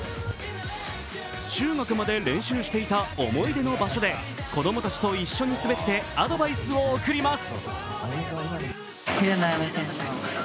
中学まで練習していた思い出の場所で子供たちと一緒に滑ってアドバイスを送ります。